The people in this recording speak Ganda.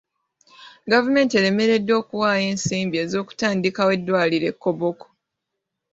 Gavumenti eremereddwa okuwaayo ensimbi ez'okutandikawo eddwaliro e Koboko.